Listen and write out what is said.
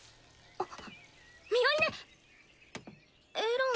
あっ。